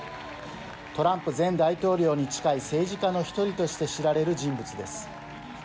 トランプ前大統領に近い政治家の１人として知られる人物です。